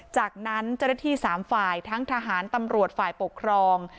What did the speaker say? จากนั้นเจ้าหน้าที่๓ฝ่ายทั้งทหารตำรวจฝ่ายปกครอง